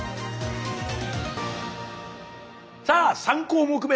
さあ３項目め！